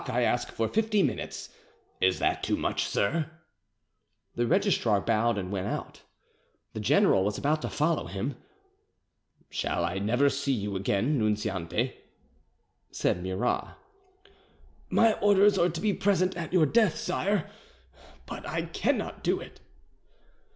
I ask for fifty minutes. Is that too much, sir?" The registrar bowed and went out. The general was about to follow him. "Shall I never see you again, Nunziante?" said Murat. "My orders are to be present at your death, sire, but I cannot do it."